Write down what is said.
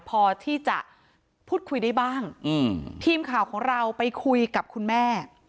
พอที่จะพูดคุยได้บ้างอืมทีมข่าวของเราไปคุยกับคุณแม่